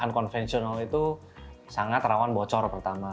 yang unconventional itu sangat rawan bocor pertama